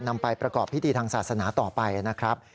นำไปประกอบพิธีทางศาสนาต่อไปนะครับ